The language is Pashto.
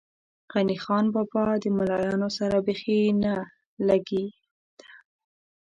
غني خان بابا ده ملایانو سره بېخی نه لږې ده.